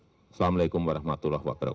wassalamu'alaikum warahmatullahi wabarakatuh